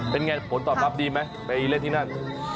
เป็นไงผลตอบรับดีไหมไปเล่นที่นั่น